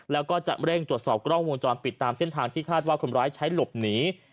แล้วก็จะเร่งตรวจสอบกล้องวงจรปิดตามเส้นทางที่คาดว่าคนร้ายใช้หลบหนี